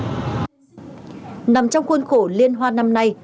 nằm trong khuôn khổ liên hoan năm nay